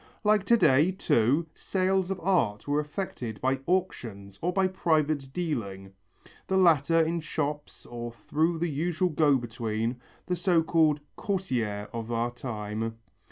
Like to day, too, sales of art were effected by auctions or by private dealing, the latter in shops or through the usual go between, the so called courtier of our time.